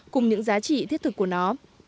cùng những giá trị thiết thực của nó